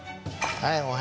はい。